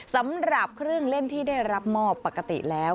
สำหรับเครื่องเล่นที่ได้รับมอบปกติแล้ว